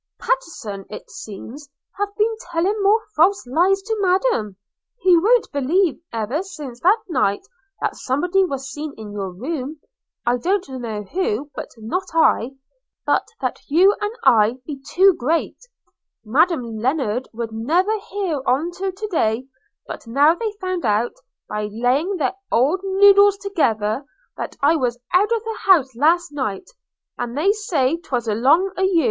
– 'Pattenson it seems have been telling more false lies to Madam. He won't believe, ever since that night that somebody was seen in your room – I don't know who, not I – but that you and I be too great: Madam Lennard would never hear on't till to day; but now they've found out, by laying their old noddles together, that I was out of the house last night, and they says 'twas along a you.